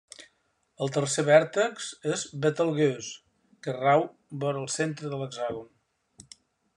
El tercer vèrtex és Betelgeuse, que rau vora el centre de l'hexàgon.